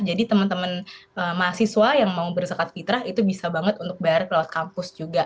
jadi teman teman mahasiswa yang mau berzakat fitrah itu bisa banget untuk bayar lewat kampus juga